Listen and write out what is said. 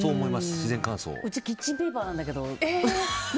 うちキッチンペーパーなんだけど。